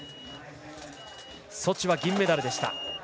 ソチは銀メダルでした。